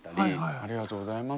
ありがとうございます。